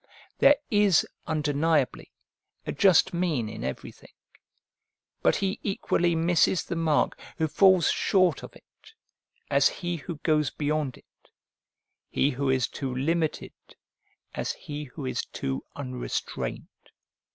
There is, undeniably, a just mean in everything; but he equally misses the mark who falls short of it, as he who goes beyond it; he who is too limited as he who is too unrestrained.